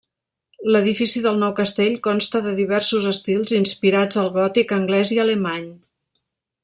L'edifici del nou castell consta de diversos estils inspirats al gòtic anglès i alemany.